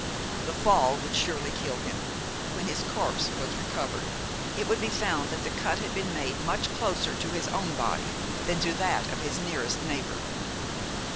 The fall would surely kill him. When his corpse was recovered, it would be found that the cut had been made much closer to his own body than to that of his nearest neighbor.